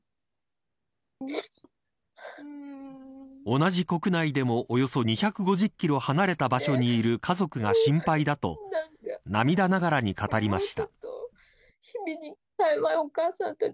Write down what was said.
同じ国内でもおよそ２５０キロ離れた場所にいる家族が心配だと涙ながらに語りました。